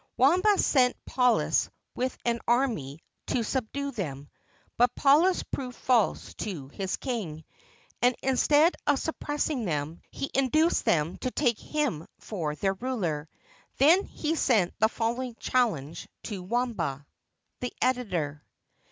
Wamba sent Paulus with an army to subdue them; but Paulus proved false to his king, and in stead of suppressing them, he induced them to take him for their ruler. Then he sent the following challenge to Wamba. The Editor.